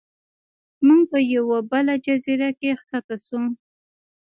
موږ په یوه بله جزیره کې ښکته شو.